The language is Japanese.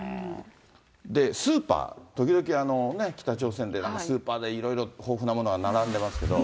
で、スーパー、時々、北朝鮮で、スーパーでいろいろ豊富なものが並んでますけれども。